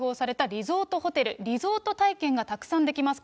日常から解放されたリゾートホテル、リゾート体験がたくさんできます。